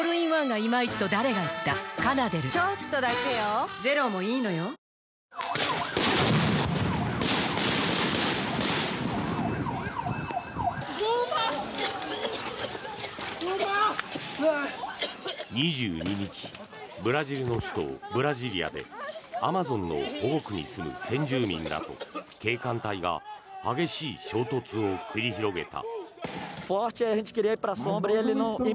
警察の催涙ガスに対し先住民は２２日ブラジルの首都ブラジリアでアマゾンの保護区に住む先住民らと警官隊が激しい衝突を繰り広げた。